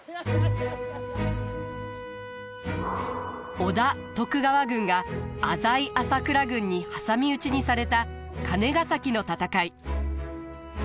織田徳川軍が浅井朝倉軍に挟み撃ちにされた金ヶ崎の戦い。